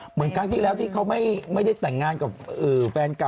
เหมือนครั้งที่แล้วที่เขาไม่ได้แต่งงานกับแฟนเก่า